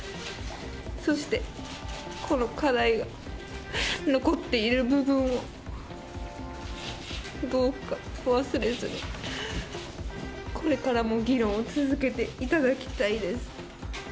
そして、この課題が残っている部分を、どうか忘れずに、これからも議論を続けていただきたいです。